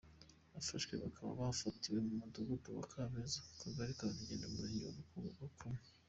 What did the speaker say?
Abafashwe bakaba barafatiwe mu mudugudu wa Kabeza akagari ka Rurenge Umurenge wa Rukomo.